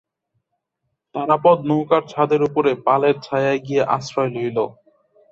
তারাপদ নৌকার ছাদের উপরে পালের ছায়ায় গিয়া আশ্রয় লইল।